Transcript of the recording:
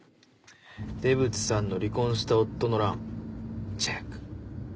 出渕さんの離婚した夫の欄チェック！